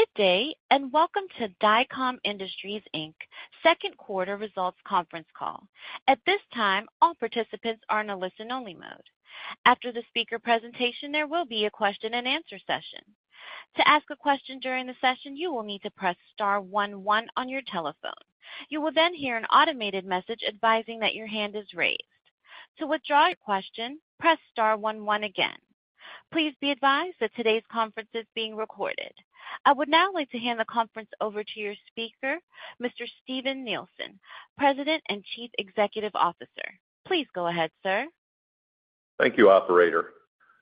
Good day, welcome to Dycom Industries Inc.'s Q2 Results Conference Call. At this time, all participants are in a listen-only mode. After the speaker presentation, there will be a question-and-answer session. To ask a question during the session, you will need to press star one one on your telephone. You will hear an automated message advising that your hand is raised. To withdraw your question, press star one one again. Please be advised that today's conference is being recorded. I would now like to hand the conference over to your speaker, Mr. Steven Nielsen, President and Chief Executive Officer. Please go ahead, sir. Thank you, operator.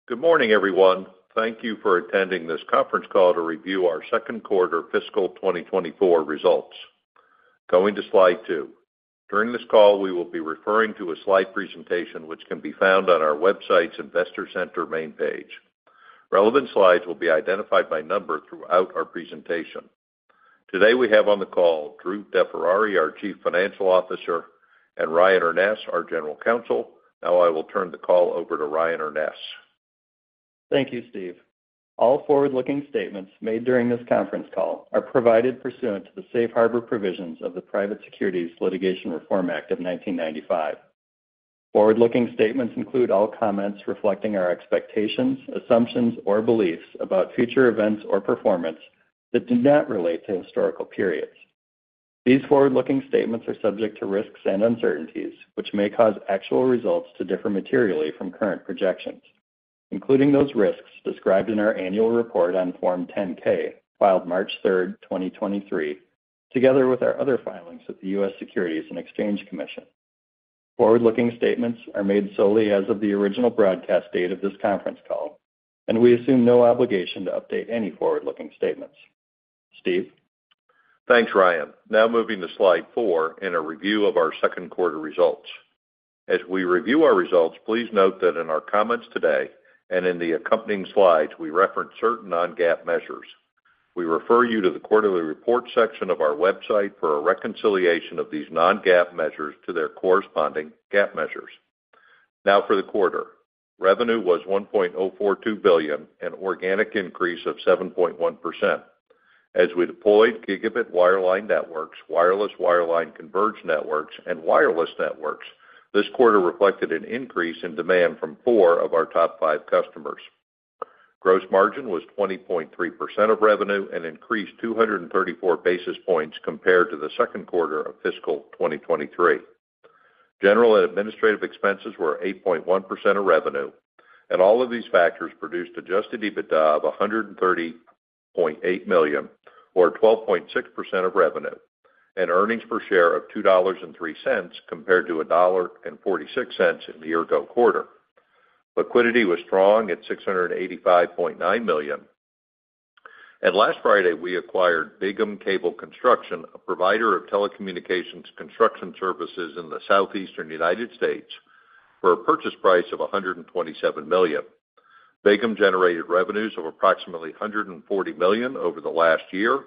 Good morning, everyone. Thank you for attending this conference call to review our Q2 fiscal 2024 Results. Going to Slide 2. During this call, we will be referring to a slide presentation, which can be found on our website's Investor Center main page. Relevant slides will be identified by number throughout our presentation. Today, we have on the call Drew DeFerrari, our Chief Financial Officer, and Ryan Urness, our General Counsel. I will turn the call over to Ryan Urness. Thank you, Steve. All forward-looking statements made during this conference call are provided pursuant to the Safe Harbor Provisions of the Private Securities Litigation Reform Act of 1995. Forward-looking statements include all comments reflecting our expectations, assumptions, or beliefs about future events or performance that do not relate to historical periods. These forward-looking statements are subject to risks and uncertainties, which may cause actual results to differ materially from current projections, including those risks described in our annual report on Form 10-K, filed March 3, 2023, together with our other filings with the U.S. Securities and Exchange Commission. Forward-looking statements are made solely as of the original broadcast date of this conference call, and we assume no obligation to update any forward-looking statements. Steve? Thanks, Ryan. Moving to Slide 4 in a review of our Q2 results. As we review our results, please note that in our comments today and in the accompanying slides, we reference certain non-GAAP measures. We refer you to the quarterly report section of our website for a reconciliation of these non-GAAP measures to their corresponding GAAP measures. For the quarter. Revenue was $1.042 billion, an organic increase of 7.1%. As we deployed gigabit wireline networks, wireless wireline converged networks, and wireless networks, this quarter reflected an increase in demand from four of our top five customers. Gross margin was 20.3% of revenue and increased 234 basis points compared to the Q2 fiscal 2023. General and administrative expenses were 8.1% of revenue, and all of these factors produced Adjusted EBITDA of $130.8 million, or 12.6% of revenue, and earnings per share of $2.03, compared to $1.46 in the year-ago quarter. Liquidity was strong at $685.9 million. Last Friday, we acquired Bigham Cable Construction, a provider of telecommunications construction services in the southeastern United States, for a purchase price of $127 million. Bigham generated revenues of approximately $140 million over the last year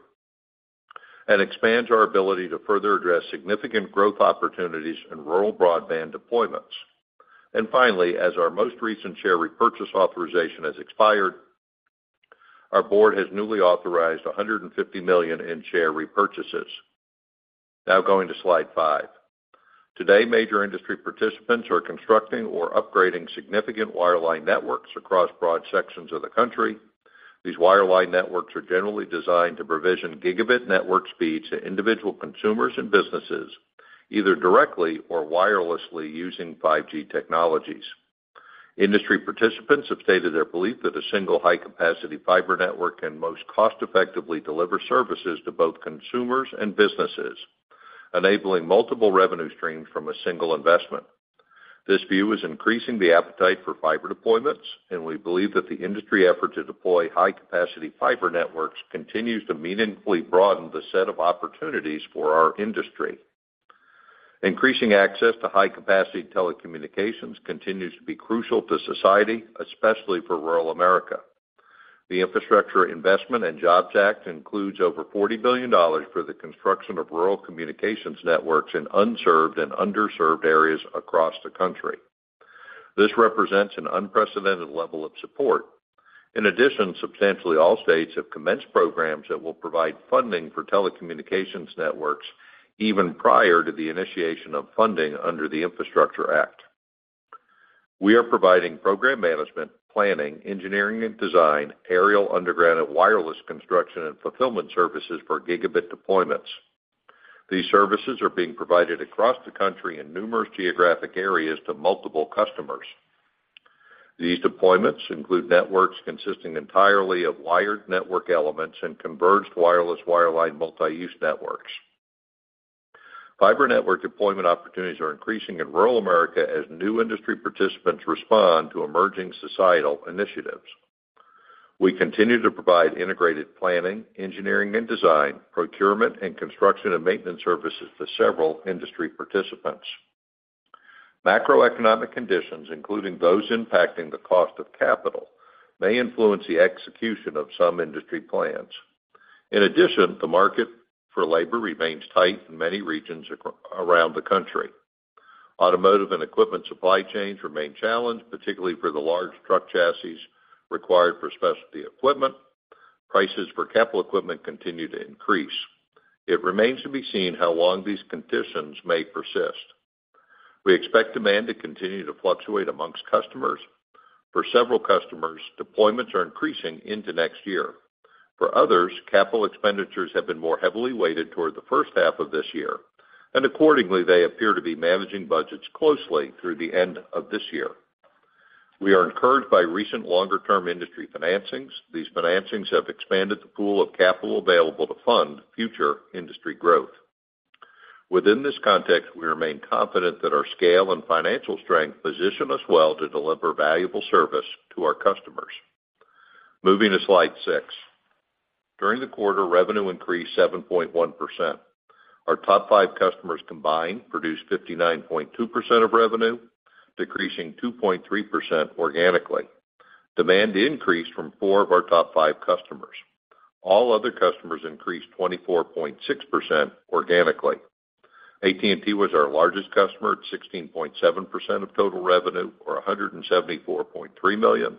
and expands our ability to further address significant growth opportunities in rural broadband deployments. Finally, as our most recent share repurchase authorization has expired, our Board of Directors has newly authorized $150 million in share repurchases. Now going to Slide 5. Today, major industry participants are constructing or upgrading significant wireline networks across broad sections of the country. These wireline networks are generally designed to provision gigabit network speeds to individual consumers and businesses, either directly or wirelessly using 5G technologies. Industry participants have stated their belief that a single high-capacity fiber network can most cost-effectively deliver services to both consumers and businesses, enabling multiple revenue streams from a single investment. This view is increasing the appetite for fiber deployments. We believe that the industry effort to deploy high-capacity fiber networks continues to meaningfully broaden the set of opportunities for our industry. Increasing access to high-capacity telecommunications continues to be crucial to society, especially for Rural America. The Infrastructure Investment and Jobs Act includes over $40 billion for the construction of rural communications networks in unserved and underserved areas across the country. This represents an unprecedented level of support. In addition, substantially all states have commenced programs that will provide funding for telecommunications networks even prior to the initiation of funding under the Infrastructure Investment and Jobs Act. We are providing program management, planning, engineering and design, aerial, underground, and wireless construction and fulfillment services for gigabit deployments. These services are being provided across the country in numerous geographic areas to multiple customers. These deployments include networks consisting entirely of wired network elements and converged wireless-wireline multi-use networks. Fiber network deployment opportunities are increasing in Rural America as new industry participants respond to emerging societal initiatives. We continue to provide integrated planning, engineering and design, procurement, and construction and maintenance services to several industry participants. Macroeconomic conditions, including those impacting the cost of capital, may influence the execution of some industry plans. In addition, the market for labor remains tight in many regions around the country. Automotive and equipment supply chains remain challenged, particularly for the large truck chassis required for specialty equipment. Prices for capital equipment continue to increase. It remains to be seen how long these conditions may persist. We expect demand to continue to fluctuate amongst customers. For several customers, deployments are increasing into next year. For others, capital expenditures have been more heavily weighted toward the H1 of this year, and accordingly, they appear to be managing budgets closely through the end of this year. We are encouraged by recent longer-term industry financings. These financings have expanded the pool of capital available to fund future industry growth. Within this context, we remain confident that our scale and financial strength position us well to deliver valuable service to our customers. Moving to Slide 6. During the quarter, revenue increased 7.1%. Our top five customers combined produced 59.2% of revenue, decreasing 2.3% organically. Demand increased from four of our top five customers. All other customers increased 24.6% organically. AT&T was our largest customer at 16.7% of total revenue, or $174.3 million.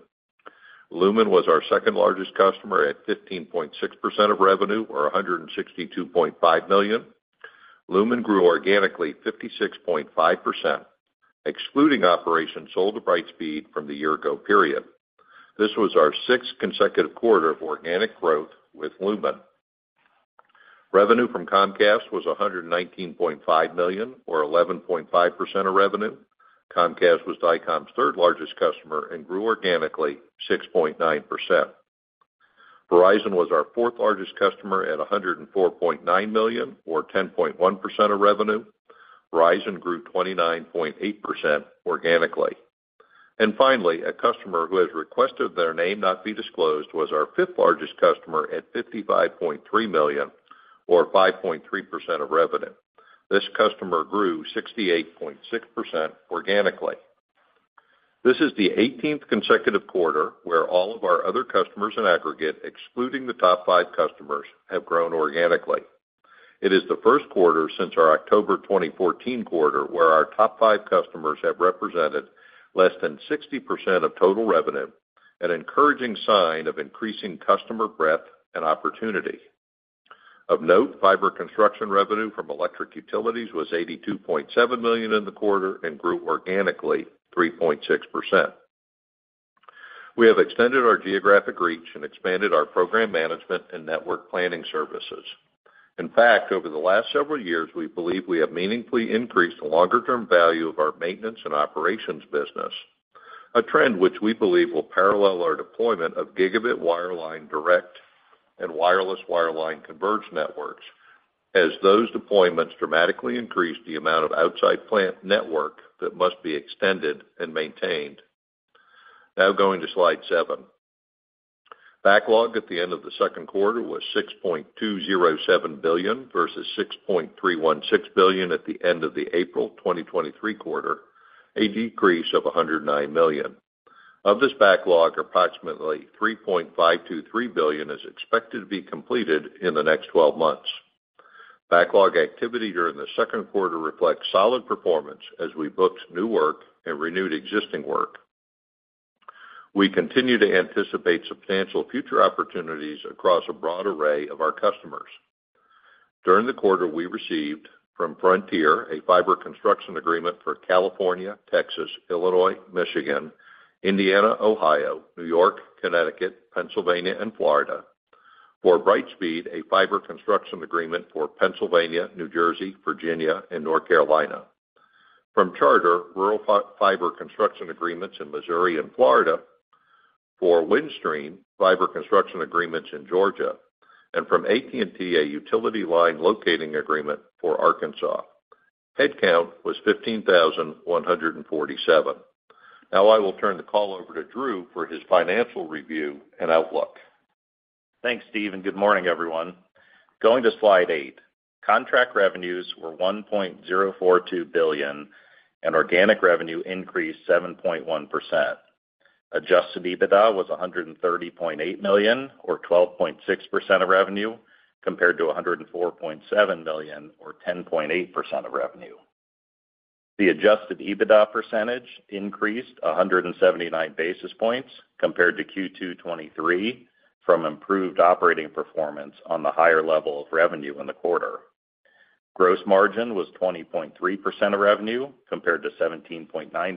Lumen was our second-largest customer at 15.6% of revenue, or $162.5 million. Lumen grew organically 56.5%, excluding operations sold to Brightspeed from the year-ago period. This was our sixth consecutive quarter of organic growth with Lumen. Revenue from Comcast was $119.5 million, or 11.5% of revenue. Comcast was Dycom's third-largest customer and grew organically 6.9%. Verizon was our fourth-largest customer at $104.9 million, or 10.1% of revenue. Verizon grew 29.8% organically. Finally, a customer who has requested their name not be disclosed, was our fifth-largest customer at $55.3 million, or 5.3% of revenue. This customer grew 68.6% organically. This is the 18th consecutive quarter where all of our other customers in aggregate, excluding the top five customers, have grown organically. It is the Q1 since our October 2014 quarter, where our top five customers have represented less than 60% of total revenue, an encouraging sign of increasing customer breadth and opportunity. Of note, fiber construction revenue from electric utilities was $82.7 million in the quarter and grew organically 3.6%. We have extended our geographic reach and expanded our program management and network planning services. In fact, over the last several years, we believe we have meaningfully increased the longer-term value of our maintenance and operations business, a trend which we believe will parallel our deployment of Gigabit Wireline Networks, Direct Fiber Networks, and Wireless-Wireline Converged Networks, as those deployments dramatically increase the amount of outside plant network that must be extended and maintained. Now going to slide seven. Backlog at the end of the Q2 was $6.207 billion versus $6.316 billion at the end of the April 2023 quarter, a decrease of $109 million. Of this backlog, approximately $3.523 billion is expected to be completed in the next 12 months. Backlog activity during the Q2 reflects solid performance as we booked new work and renewed existing work. We continue to anticipate substantial future opportunities across a broad array of our customers. During the quarter, we received from Frontier, a fiber construction agreement for California, Texas, Illinois, Michigan, Indiana, Ohio, New York, Connecticut, Pennsylvania, and Florida. For Brightspeed, a fiber construction agreement for Pennsylvania, New Jersey, Virginia, and North Carolina. From Charter, rural fiber construction agreements in Missouri and Florida. For Windstream, fiber construction agreements in Georgia. From AT&T, a utility line locating agreement for Arkansas. Headcount was 15,147. Now, I will turn the call over to Drew for his financial review and outlook. Thanks, Steve, and good morning, everyone. Going to slide 8. Contract revenues were $1.042 billion, and organic revenue increased 7.1%. Adjusted EBITDA was $130.8 million, or 12.6% of revenue, compared to $104.7 million, or 10.8% of revenue. The Adjusted EBITDA percentage increased 179 basis points compared to Q2 2023 from improved operating performance on the higher level of revenue in the quarter. Gross margin was 20.3% of revenue, compared to 17.9% in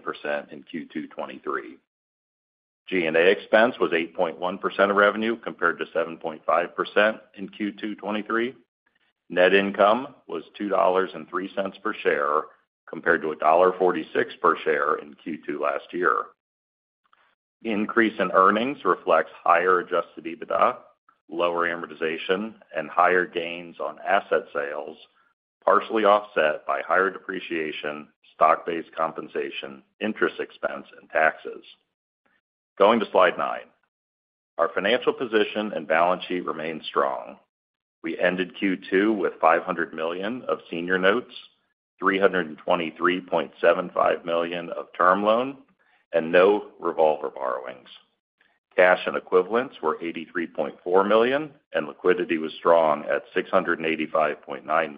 Q2 2023. G&A expense was 8.1% of revenue, compared to 7.5% in Q2 2023. Net income was $2.03 per share, compared to $1.46 per share in Q2 last year. Increase in earnings reflects higher adjusted EBITDA, lower amortization, and higher gains on asset sales, partially offset by higher depreciation, stock-based compensation, interest expense, and taxes. Going to Slide 9. Our financial position and balance sheet remain strong. We ended Q2 with $500 million of senior notes, $323.75 million of term loan, and no revolver borrowings. Cash and equivalents were $83.4 million, and liquidity was strong at $685.9 million.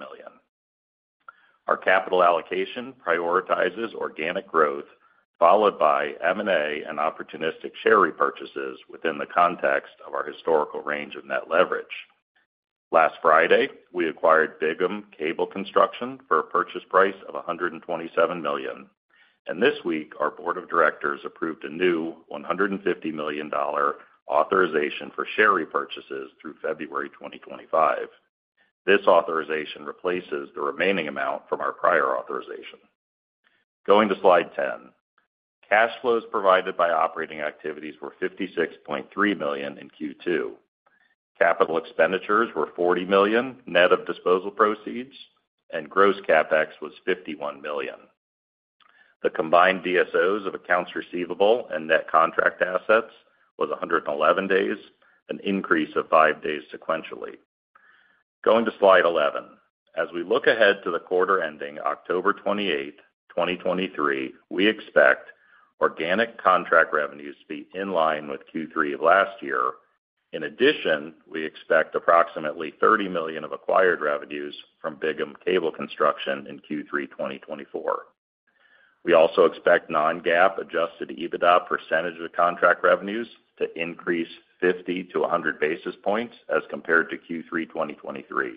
Our capital allocation prioritizes organic growth, followed by M&A and opportunistic share repurchases within the context of our historical range of net leverage. Last Friday, we acquired Bigham Cable Construction for a purchase price of $127 million, and this week, our board of directors approved a new $150 million dollar authorization for share repurchases through February 2025. This authorization replaces the remaining amount from our prior authorization. Going to Slide 10. Cash flows provided by operating activities were $56.3 million in Q2. Capital expenditures were $40 million, net of disposal proceeds, and gross CapEx was $51 million. The combined DSO of accounts receivable and net contract assets was 111 days, an increase of five days sequentially. Going to Slide 11. As we look ahead to the quarter ending October 28, 2023, we expect organic contract revenues to be in line with Q3 fiscal 2023. In addition, we expect approximately $30 million of acquired revenues from Bigham Cable Construction in Q3 fiscal 2024. We also expect non-GAAP Adjusted EBITDA percentage of contract revenues to increase 50 to 100 basis points as compared to Q3 fiscal 2023.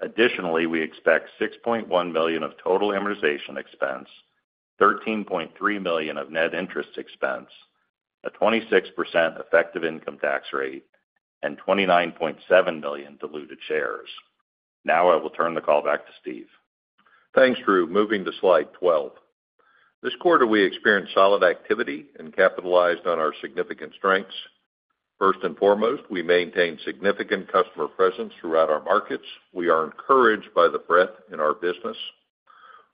Additionally, we expect $6.1 million of total amortization expense, $13.3 million of net interest expense, a 26% effective income tax rate, and 29.7 million diluted shares. Now I will turn the call back to Steve. Thanks, Drew. Moving to Slide 12. This quarter, we experienced solid activity and capitalized on our significant strengths. First and foremost, we maintained significant customer presence throughout our markets. We are encouraged by the breadth in our business.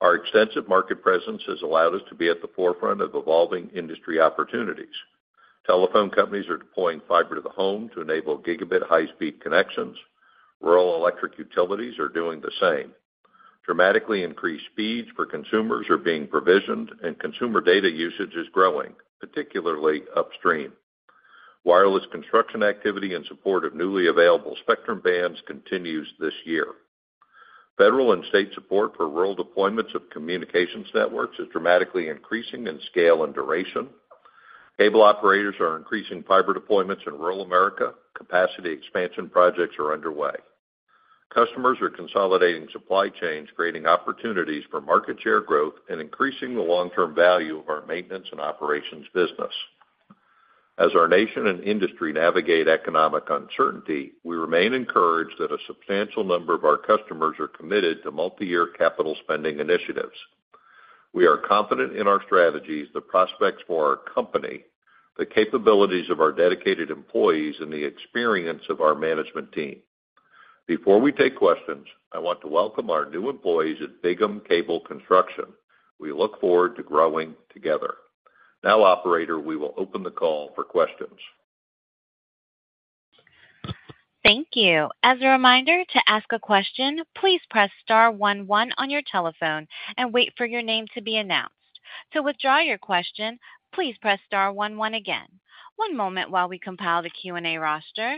Our extensive market presence has allowed us to be at the forefront of evolving industry opportunities. Telephone companies are deploying fiber to the home to enable gigabit high-speed connections. Rural electric utilities are doing the same. Dramatically increased speeds for consumers are being provisioned, and consumer data usage is growing, particularly upstream. Wireless construction activity in support of newly available spectrum bands continues this year. Federal and state support for rural deployments of communications networks is dramatically increasing in scale and duration. Cable operators are increasing fiber deployments in Rural America. Capacity expansion projects are underway. Customers are consolidating supply chains, creating opportunities for market share growth and increasing the long-term value of our maintenance and operations business. As our nation and industry navigate economic uncertainty, we remain encouraged that a substantial number of our customers are committed to multiyear capital spending initiatives. We are confident in our strategies, the prospects for our company, the capabilities of our dedicated employees, and the experience of our management team. Before we take questions, I want to welcome our new employees at Bigham Cable Construction. We look forward to growing together. Now, operator, we will open the call for questions. Thank you. As a reminder, to ask a question, please press star 11 on your telephone and wait for your name to be announced. To withdraw your question, please press star 11 again. One moment while we compile the Q&A roster.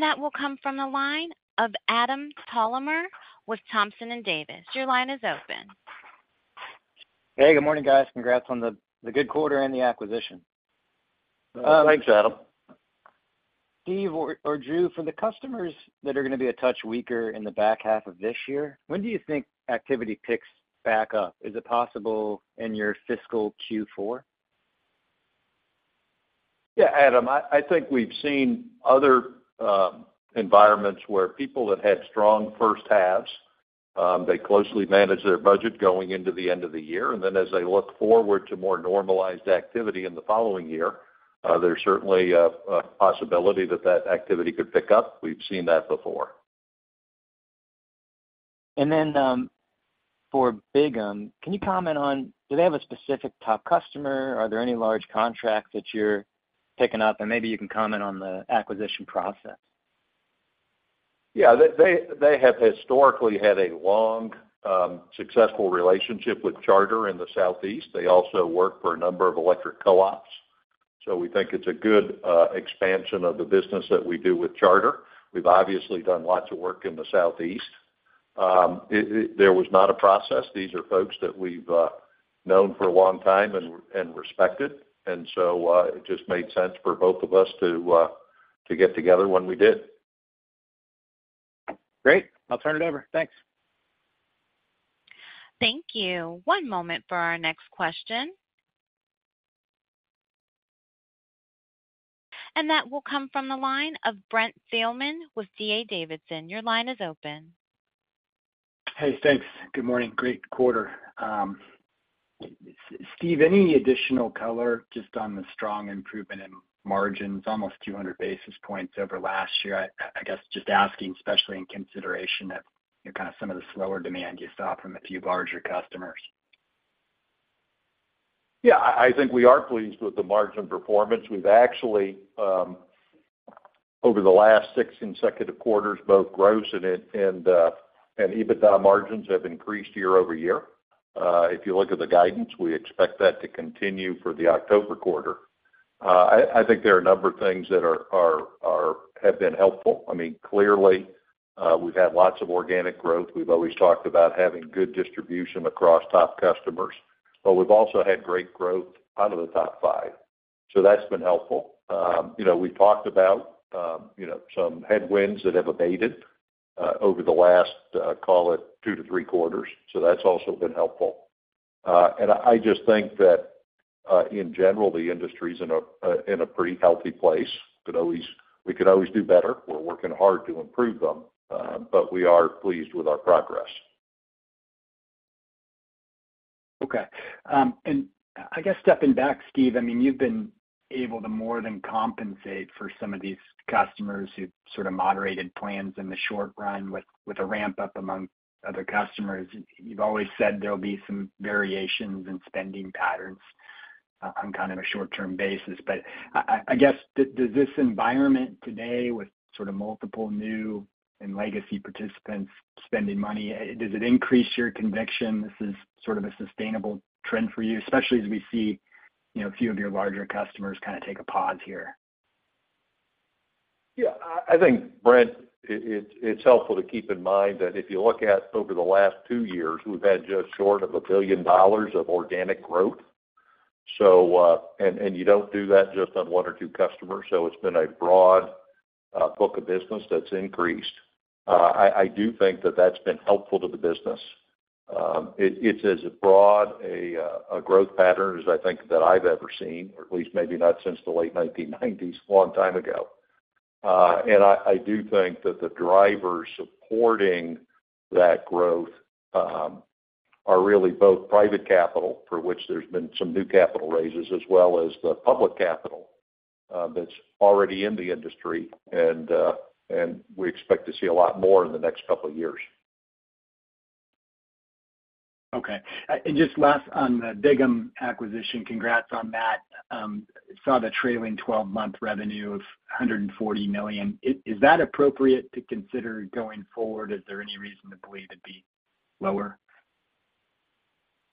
That will come from the line of Adam R. Thalhimer with Thompson Davis & Co. Your line is open. Hey, good morning, guys. Congrats on the good quarter and the acquisition. Thanks, Adam. Steve or Drew, for the customers that are gonna be a touch weaker in the back half of this year, when do you think activity picks back up? Is it possible in your fiscal Q4? Yeah, Adam, I think we've seen other environments where people that had strong first halves, they closely managed their budget going into the end of the year, and then as they look forward to more normalized activity in the following year, there's certainly a possibility that that activity could pick up. We've seen that before. Then, for Bigham, can you comment on, do they have a specific top customer? Are there any large contracts that you're picking up? Maybe you can comment on the acquisition process. Yeah, they have historically had a long, successful relationship with Charter in the Southeast. They also work for a number of electric co-ops. So we think it's a good expansion of the business that we do with Charter. We've obviously done lots of work in the Southeast. It there was not a process. These are folks that we've, known for a long time and, and respected, and so, it just made sense for both of us to, to get together when we did. Great. I'll turn it over. Thanks. Thank you. One moment for our next question. That will come from the line of Brent Thielman with D.A. Davidson. Your line is open. Hey, thanks. Good morning. Great quarter. Steve, any additional color just on the strong improvement in margins, almost 200 basis points over last year? I guess, just asking, especially in consideration of, you know, kind of some of the slower demand you saw from a few larger customers. Yeah, I think we are pleased with the margin performance. We've actually, over the last six consecutive quarters, both gross and, and EBITDA margins have increased year-over-year. If you look at the guidance, we expect that to continue for the October quarter. I, I think there are a number of things that have been helpful. I mean, clearly, we've had lots of organic growth. We've always talked about having good distribution across top customers, but we've also had great growth out of the top five, so that's been helpful. You know, we've talked about, you know, some headwinds that have abated, over the last, call it two to three quarters, so that's also been helpful. I just think that, in general, the industry's in a pretty healthy place. We could always do better. We're working hard to improve them. We are pleased with our progress. Okay. I guess stepping back, Steve, I mean, you've been able to more than compensate for some of these customers who've sort of moderated plans in the short run with, with a ramp-up among other customers. You've always said there'll be some variations in spending patterns on, on kind of a short-term basis. I guess, does this environment today, with sort of multiple new and legacy participants spending money, does it increase your conviction this is sort of a sustainable trend for you, especially as we see, you know, a few of your larger customers kind of take a pause here? Yeah. I think, Brent, it, it's, it's helpful to keep in mind that if you look at over the last two years, we've had just short of $1 billion of organic growth. You don't do that just on one or two customers, so it's been a broad book of business that's increased. I, I do think that that's been helpful to the business. It, it's as broad a growth pattern as I think that I've ever seen, or at least maybe not since the late 1990s, a long time ago.I do think that the drivers supporting that growth are really both private capital, for which there's been some new capital raises, as well as the public capital that's already in the industry. And we expect to see a lot more in the next couple of years. Okay. Just last on the Bigham acquisition, congrats on that. Saw the trailing 12-month revenue of $140 million. Is that appropriate to consider going forward? Is there any reason to believe it'd be lower?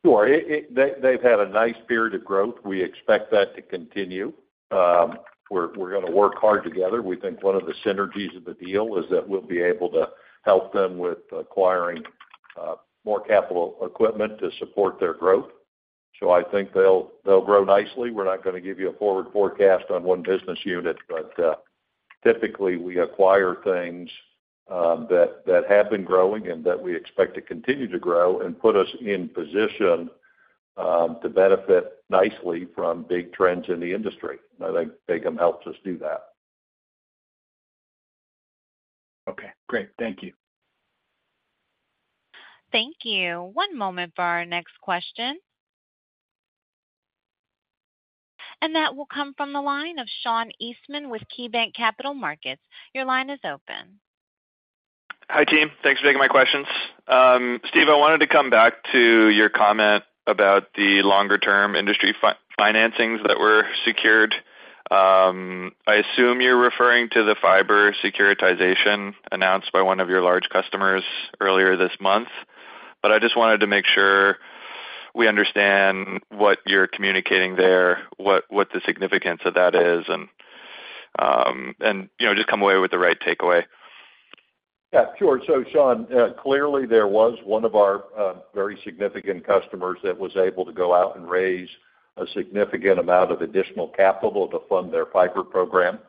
Sure. It, They've, they've had a nice period of growth. We expect that to continue. We're, we're gonna work hard together. We think one of the synergies of the deal is that we'll be able to help them with acquiring more capital equipment to support their growth. I think they'll, they'll grow nicely. We're not gonna give you a forward forecast on one business unit, but typically, we acquire things that, that have been growing and that we expect to continue to grow and put us in position to benefit nicely from big trends in the industry. I think Bigham helps us do that. Okay, great. Thank you. Thank you. One moment for our next question. That will come from the line of Sean Eastman with KeyBanc Capital Markets. Your line is open. Hi, team. Thanks for taking my questions. Steve, I wanted to come back to your comment about the longer-term industry financings that were secured. I assume you're referring to the fiber securitization announced by one of your large customers earlier this month, but I just wanted to make sure we understand what you're communicating there, what the significance of that is, and, you know, just come away with the right takeaway. Yeah, sure. Shawn, clearly, there was one of our very significant customers that was able to go out and raise a significant amount of additional capital to fund their fiber program.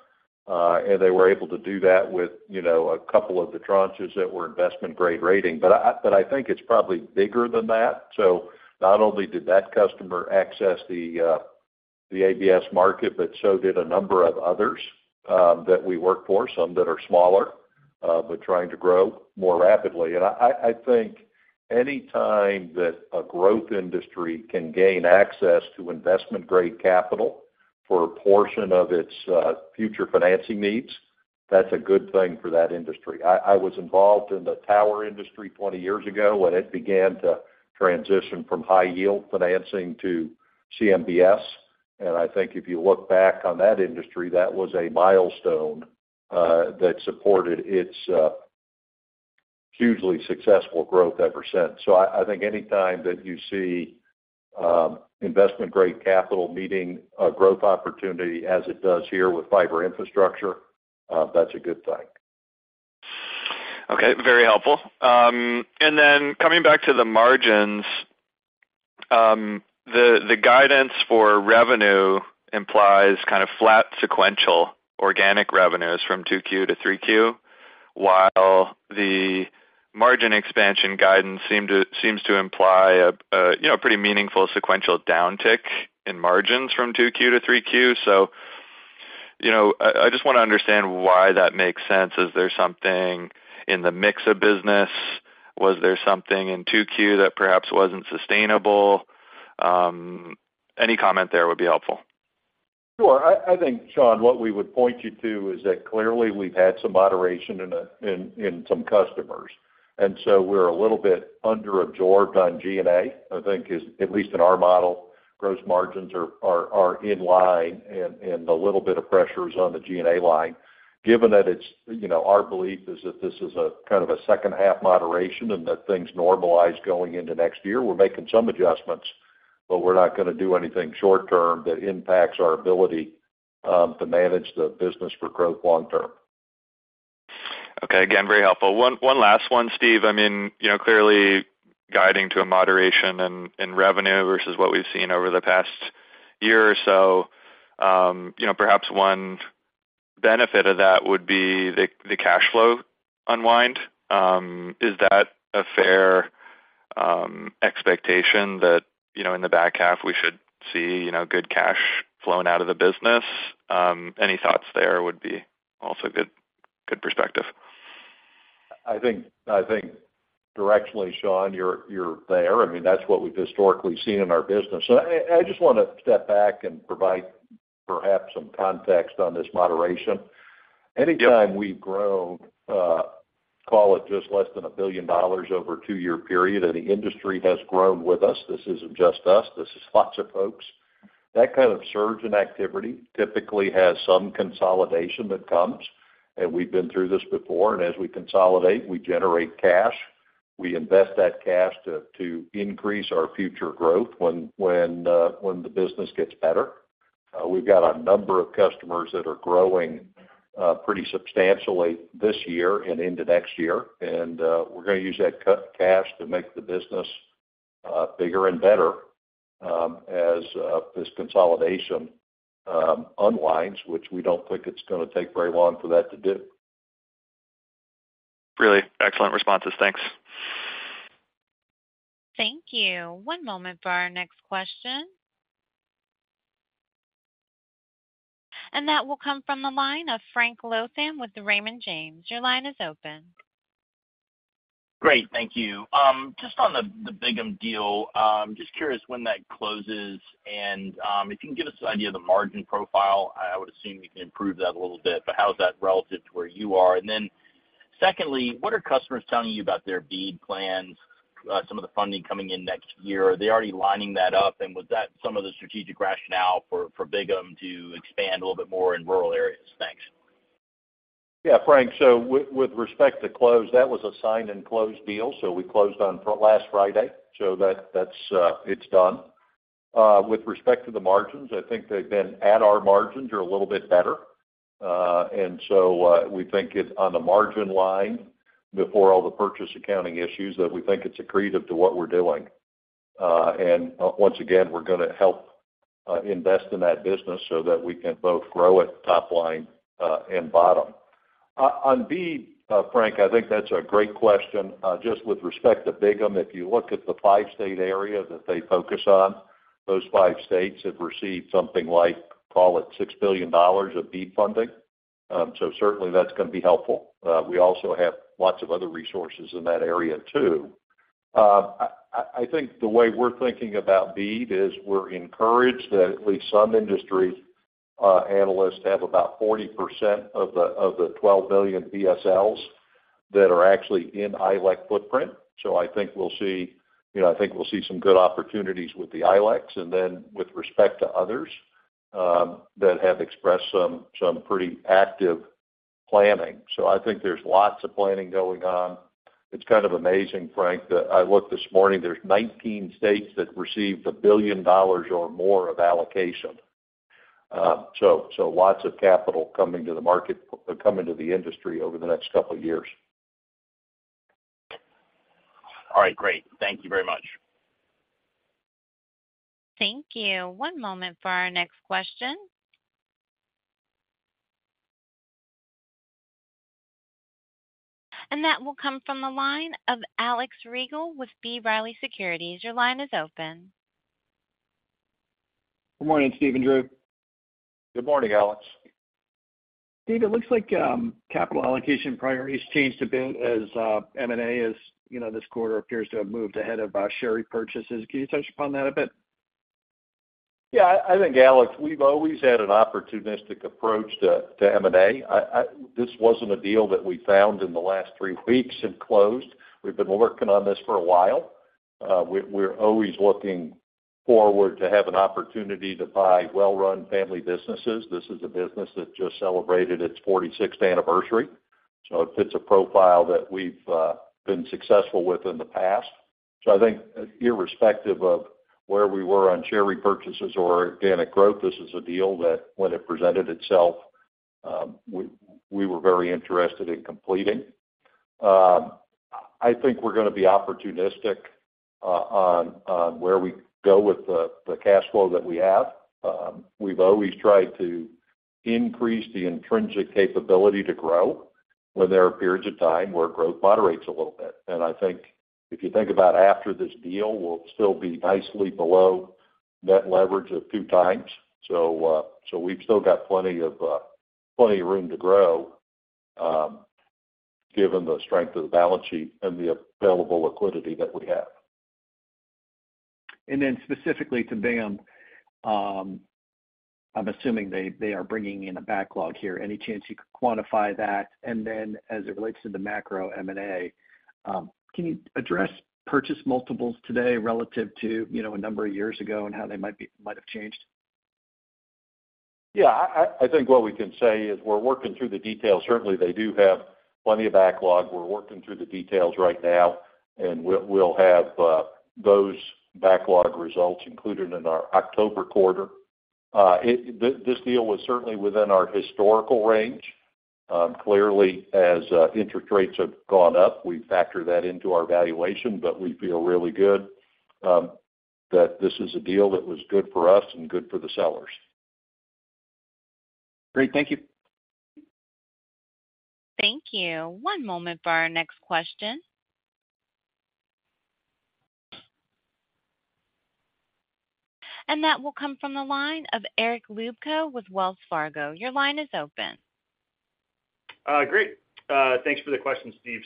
And they were able to do that with, you know, a couple of the tranches that were investment-grade rating. I, but I think it's probably bigger than that. Not only did that customer access the ABS market, but so did a number of others, that we work for, some that are smaller, but trying to grow more rapidly. think any time that a growth industry can gain access to investment-grade capital for a portion of its future financing needs, that's a good thing for that industry. I, was involved in the tower industry 20 years ago, when it began to transition from high-yield financing to CMBS. I think if you look back on that industry, that was a milestone that supported its hugely successful growth ever since. I, I think any time that you see investment-grade capital meeting a growth opportunity, as it does here with fiber infrastructure, that's a good thing. Okay, very helpful. Coming back to the margins, the guidance for revenue implies kind of flat sequential organic revenues from Q2 to Q3, while the margin expansion guidance seems to imply a, you know, pretty meaningful sequential downtick in margins fromQ2 to Q3. You know, I, I just want to understand why that makes sense. Is there something in the mix of business? Was there something in Q2 that perhaps wasn't sustainable? Any comment there would be helpful. Sure. I,think, Sean, what we would point you to is that clearly we've had some moderation in some customers, and so we're a little bit under-absorbed on G&A. I think is, at least in our model, gross margins are in line, and a little bit of pressures on the G&A line. Given that it's, you know, our belief is that this is a kind of a second-half moderation and that things normalize going into next year, we're making some adjustments, but we're not gonna do anything short term that impacts our ability to manage the business for growth long term. Okay. Again, very helpful. One, last one, Steve. I mean, you know, clearly guiding to a moderation in, in revenue versus what we've seen over the past year or so, you know, perhaps one benefit of that would be the, the cash flow unwind. Is that a fair expectation that, you know, in the back half, we should see, you know, good cash flowing out of the business? Any thoughts there would be also good, good perspective. I think, I think directionally, Sean, you're, you're there. I mean, that's what we've historically seen in our business. I, just wanna step back and provide perhaps some context on this moderation. Yep. Anytime we've grown, call it just less than $1 billion over a two-year period. The industry has grown with us. This isn't just us. This is lots of folks. That kind of surge in activity typically has some consolidation that comes. We've been through this before. As we consolidate, we generate cash. We invest that cash to, to increase our future growth when, when the business gets better. We've got a number of customers that are growing pretty substantially this year and into next year. We're gonna use that cash to make the business bigger and better as this consolidation unwinds, which we don't think it's gonna take very long for that to do. Really excellent responses. Thanks. Thank you. One moment for our next question. That will come from the line of Frank Louthan with the Raymond James. Your line is open. Great, thank you. Just on the Bigham deal, just curious when that closes, and if you can give us an idea of the margin profile. I would assume you can improve that a little bit, but how is that relative to where you are? Then secondly, what are customers telling you about their BEAD plans, some of the funding coming in next year? Are they already lining that up, and was that some of the strategic rationale for Bigham to expand a little bit more in rural areas? Thanks. Yeah, Frank. With, with respect to close, that was a signed and closed deal, we closed on last Friday. That's, it's done. With respect to the margins, I think they've been at our margins or a little bit better. We think it's on the margin line before all the purchase accounting issues, that we think it's accretive to what we're doing. Once again, we're gonna help invest in that business so that we can both grow it top line and bottom. On BEAD, Frank, I think that's a great question. Just with respect to Bigham, if you look at the five-state area that they focus on, those five states have received something like, call it $6 billion of BEAD funding. Certainly that's gonna be helpful. We also have lots of other resources in that area, too. I think the way we're thinking about BEAD is we're encouraged that at least some industry analysts have about 40% of the, of the $12 billion BSL that are actually in ILEC footprint. I think we'll see... You know, I think we'll see some good opportunities with the ILECs, and then with respect to others that have expressed some, some pretty active planning. I think there's lots of planning going on. It's kind of amazing, Frank, that I looked this morning, there's 19 states that received $1 billion or more of allocation. Lots of capital coming to the market-- coming to the industry over the next couple of years. All right, great. Thank you very much. Thank you. One moment for our next question. That will come from the line of Alex Rygiel with B. Riley Securities. Your line is open. Good morning, Steve and Drew. Good morning, Alex. Steve, it looks like, capital allocation priorities changed a bit as M&A is, you know, this quarter appears to have moved ahead of share repurchases. Can you touch upon that a bit? Yeah, I think, Alex, we've always had an opportunistic approach to, to M&A. This wasn't a deal that we found in the last three weeks and closed. We've been working on this for a while. We, we're always looking forward to have an opportunity to buy well-run family businesses. This is a business that just celebrated its 46th anniversary, so it fits a profile that we've been successful with in the past. I think irrespective of where we were on share repurchases or organic growth, this is a deal that, when it presented itself, we, we were very interested in completing. I think we're gonna be opportunistic on, on where we go with the, the cash flow that we have. We've always tried to increase the intrinsic capability to grow when there are periods of time where growth moderates a little bit. I think if you think about after this deal, we'll still be nicely below net leverage of 2.0x. We've still got plenty of, plenty of room to grow, given the strength of the balance sheet and the available liquidity that we have.... Specifically to Bigham, I'm assuming they, they are bringing in a backlog here. Any chance you could quantify that? As it relates to the macro M&A, can you address purchase multiples today relative to, you know, a number of years ago and how they might have changed? Yeah, I think what we can say is we're working through the details. Certainly, they do have plenty of backlog. We're working through the details right now. We'll, we'll have those backlog results included in our October quarter. This deal was certainly within our historical range. Clearly, as interest rates have gone up, we factor that into our valuation. We feel really good, that this is a deal that was good for us and good for the sellers. Great. Thank you. Thank you. One moment for our next question. That will come from the line of Eric Luebchow with Wells Fargo. Your line is open. Great. Thanks for the question, Steve.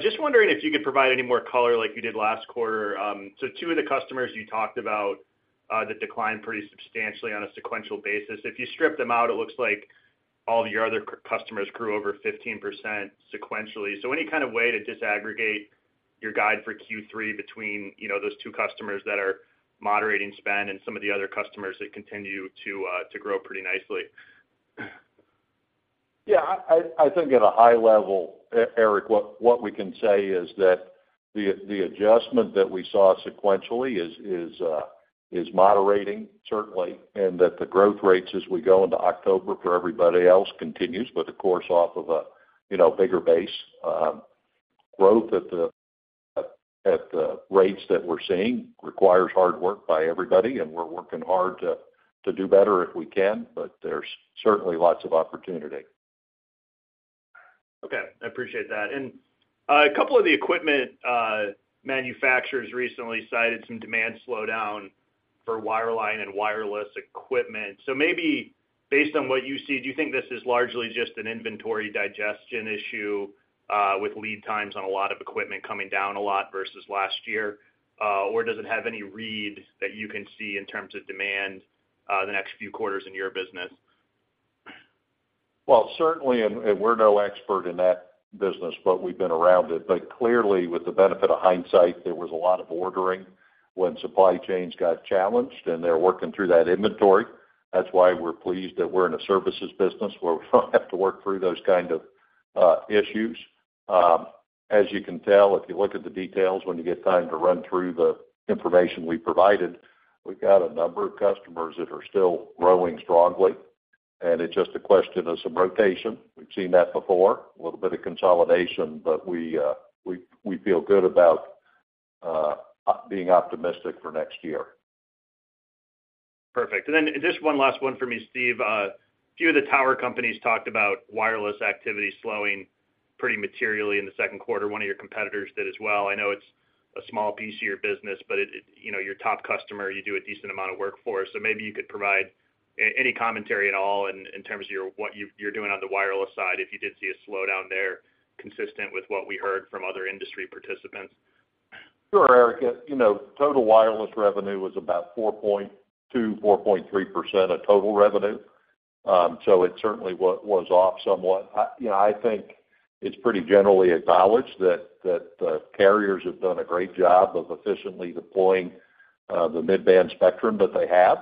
Just wondering if you could provide any more color like you did last quarter. Two of the customers you talked about that declined pretty substantially on a sequential basis, if you strip them out, it looks like all of your other customers grew over 15% sequentially. Any kind of way to disaggregate your guide for Q3 between, you know, those two customers that are moderating spend and some of the other customers that continue to grow pretty nicely? I think at a high level, Eric, what, what we can say is that the, the adjustment that we saw sequentially is, is moderating, certainly, and that the growth rates as we go into October for everybody else continues, but of course, off of a, you know, bigger base. Growth at the, at, at the rates that we're seeing requires hard work by everybody, and we're working hard to, to do better if we can, but there's certainly lots of opportunity. Okay, I appreciate that. A couple of the equipment, manufacturers recently cited some demand slowdown for wireline and wireless equipment. Maybe based on what you see, do you think this is largely just an inventory digestion issue, with lead times on a lot of equipment coming down a lot versus last year? Does it have any read that you can see in terms of demand, the next few quarters in your business? Well, certainly, and, and we're no expert in that business, but we've been around it. Clearly, with the benefit of hindsight, there was a lot of ordering when supply chains got challenged, and they're working through that inventory. That's why we're pleased that we're in a services business, where we don't have to work through those kind of issues. As you can tell, if you look at the details, when you get time to run through the information we provided, we've got a number of customers that are still growing strongly, and it's just a question of some rotation. We've seen that before, a little bit of consolidation, but we, we, we feel good about being optimistic for next year. Perfect. Just one last one for me, Steve. A few of the tower companies talked about wireless activity slowing pretty materially in the Q2. One of your competitors did as well. I know it's a small piece of your business, it, you know, your top customer, you do a decent amount of work for. Maybe you could provide any commentary at all in, in terms of your, what you're doing on the wireless side, if you did see a slowdown there consistent with what we heard from other industry participants. Sure, Eric. You know, total wireless revenue was about 4.2% to 4.3% of total revenue. It certainly was off somewhat. I, you know, I think it's pretty generally acknowledged that, that the carriers have done a great job of efficiently deploying the mid-band spectrum that they have.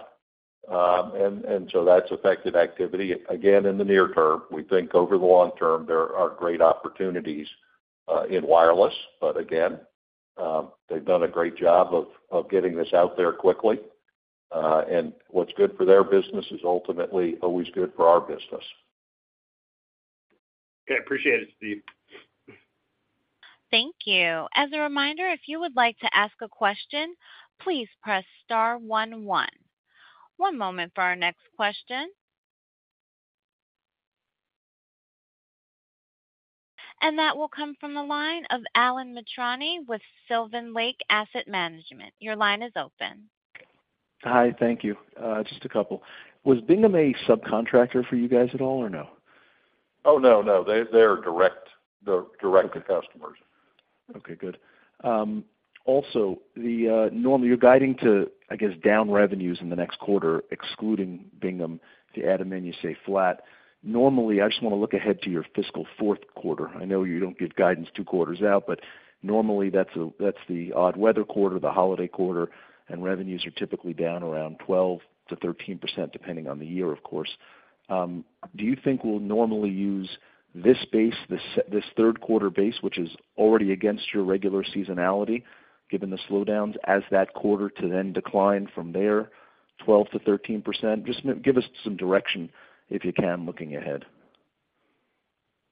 That's affected activity, again, in the near term. We think over the long term, there are great opportunities in wireless. Again, they've done a great job of getting this out there quickly. What's good for their business is ultimately always good for our business. Okay. I appreciate it, Steve. Thank you. As a reminder, if you would like to ask a question, please press star 11. One moment for our next question. That will come from the line of Alan Mitrani with Sylvan Lake Asset Management. Your line is open. Hi, thank you. Just a couple. Was Bigham a subcontractor for you guys at all, or no? Oh, no, no. They, they're direct, they're direct customers. Okay, good. Normally, you're guiding to, I guess, down revenues in the next quarter, excluding Bigham. If you add them in, you stay flat. I just want to look ahead to your fiscal fourth quarter. I know you don't give guidance two quarters out, normally, that's the, that's the odd weather quarter, the holiday quarter, and revenues are typically down around 12% to 13%, depending on the year, of course. Do you think we'll normally use this base, this third quarter base, which is already against your regular seasonality, given the slowdowns as that quarter to then decline from there, 12% to 13%? Just give us some direction, if you can, looking ahead.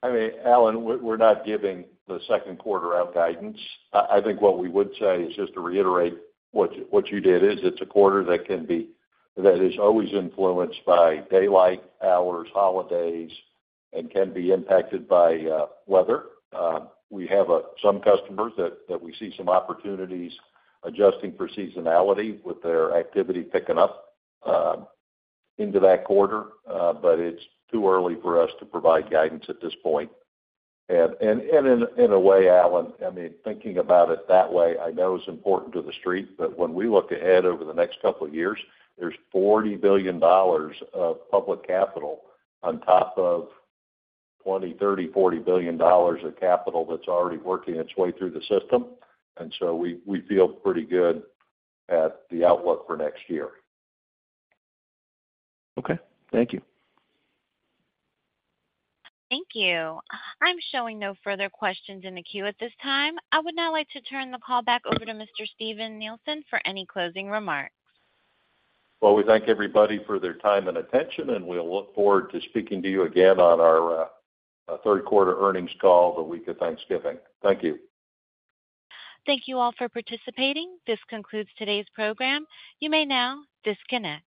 I mean, Alan, we're, we're not giving the Q2 out guidance. I, I think what we would say is just to reiterate what, what you did is, it's a quarter that can be that is always influenced by daylight, hours, holidays, and can be impacted by weather. We have some customers that, that we see some opportunities adjusting for seasonality with their activity picking up into that quarter. But it's too early for us to provide guidance at this point. In a, in a way, Alan, I mean, thinking about it that way, I know it's important to the street, but when we look ahead over the next couple of years, there's $40 billion of public capital on top of $20 billion, $30 billion, $40 billion of capital that's already working its way through the system. We, we feel pretty good at the outlook for next year. Okay. Thank you. Thank you. I'm showing no further questions in the queue at this time. I would now like to turn the call back over to Mr. Steven Nielsen for any closing remarks. We thank everybody for their time and attention, and we'll look forward to speaking to you again on our Q3 earnings call the week of Thanksgiving. Thank you. Thank you all for participating. This concludes today's program. You may now disconnect.